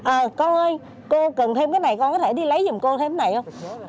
à con ơi cô cần thêm cái này con có thể đi lấy giùm cô thêm cái này không